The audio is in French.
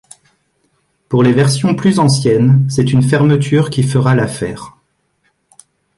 Pour les versions plus anciennes, c'est une fermeture qui fera l'affaire.